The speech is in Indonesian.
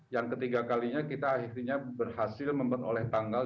yang ketiga kalinya kita akhirnya berhasil memperoleh tanggal